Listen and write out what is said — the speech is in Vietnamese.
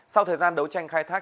sau thời gian đấu tranh khai thác